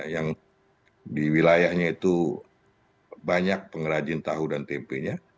yang di wilayahnya itu banyak pengrajin tahu dan tempenya